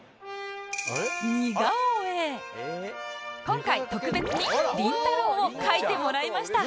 今回特別にりんたろー。を描いてもらいました